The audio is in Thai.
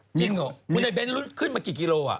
จริงเหรอคุณเบ้นท์ขึ้นมากี่กิโลกรัมอ่ะ